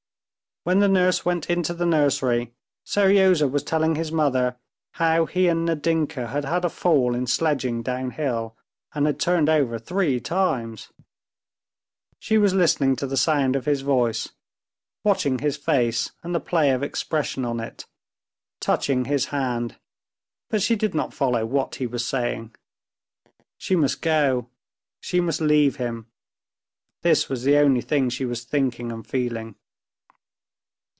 When the nurse went into the nursery, Seryozha was telling his mother how he and Nadinka had had a fall in sledging downhill, and had turned over three times. She was listening to the sound of his voice, watching his face and the play of expression on it, touching his hand, but she did not follow what he was saying. She must go, she must leave him,—this was the only thing she was thinking and feeling.